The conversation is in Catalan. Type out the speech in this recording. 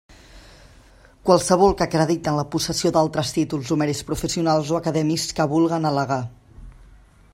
Qualssevol que acrediten la possessió d'altres títols o mèrits professionals o acadèmics que vulguen al·legar.